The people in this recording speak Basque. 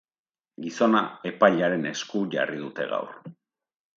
Gizona epailearen esku jarri dute gaur.